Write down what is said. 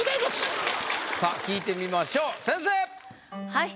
はい。